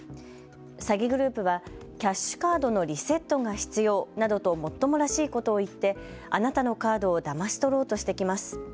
詐欺グループはキャッシュカードのリセットが必要などともっともらしいことを言ってあなたのカードをだまし取ろうとしてきます。